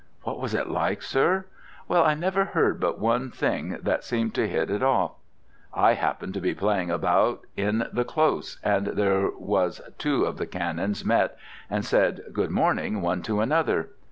What was it like, sir? Well, I never heard but one thing that seemed to hit it off. I happened to be playing about in the Close, and there was two of the Canons met and said 'Good morning' one to another.